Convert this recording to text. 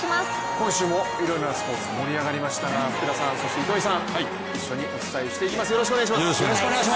今週もいろいろなスポーツが盛り上がりましたが、福田さん、糸井さん、一緒にお伝えしていきます